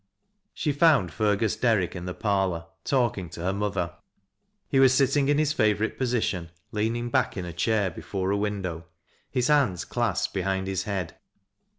She found Fergus Derrick in the parlor, talking to hei mother. He was sitting in his favorite position, leaning back in a chair before a window, his hands clasped behind his head.